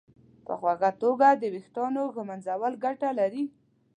په خوږه توګه د ویښتانو ږمنځول ګټه لري.